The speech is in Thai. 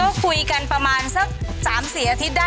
ก็คุยกันประมาณสัก๓๔อาทิตย์ได้